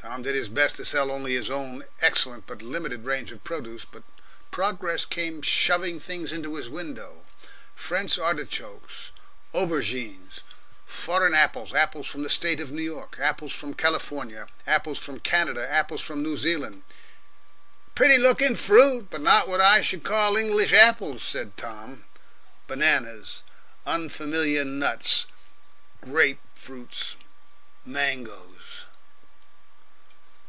Tom did his best to sell only his own excellent but limited range of produce; but Progress came shoving things into his window, French artichokes and aubergines, foreign apples apples from the State of New York, apples from California, apples from Canada, apples from New Zealand, "pretty lookin' fruit, but not what I should call English apples," said Tom bananas, unfamiliar nuts, grape fruits, mangoes.